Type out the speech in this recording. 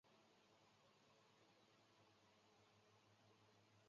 斯特宁镇区为美国堪萨斯州赖斯县辖下的镇区。